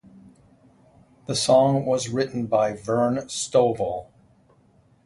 The song was written by Vern Stovall.